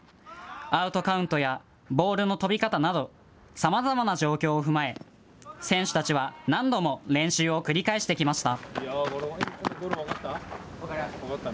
アウトカウントやボールの飛び方など、さまざまな状況を踏まえ選手たちは何度も練習を繰り返してきました。